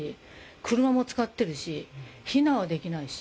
車もつかってるし、避難はできないし。